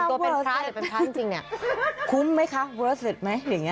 ตัวแบบเนี้ยเป็นอย่างอื่นไม่ได้อ่าถ้าพูดถึงนะ